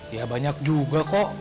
ya banyak juga kok